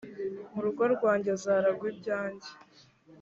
mu rugo rwanjye azaragwa ibyanjye